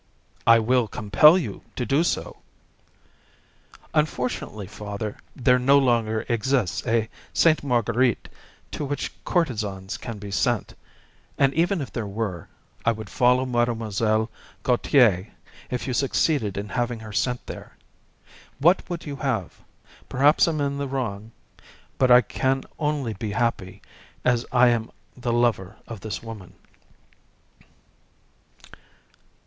"I will compel you to do so." "Unfortunately, father, there no longer exists a Sainte Marguerite to which courtesans can be sent, and, even if there were, I would follow Mlle. Gautier if you succeeded in having her sent there. What would you have? Perhaps I am in the wrong, but I can only be happy as long as I am the lover of this woman."